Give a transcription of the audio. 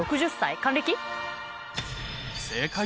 還暦。